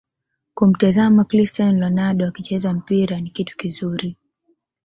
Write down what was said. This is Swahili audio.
Kumtazama Crstiano Ronaldo akicheza mpira ni kitu kizuri